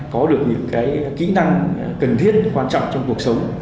có được những kĩ năng cần thiết quan trọng trong cuộc sống